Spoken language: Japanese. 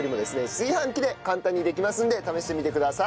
炊飯器で簡単にできますので試してみてください。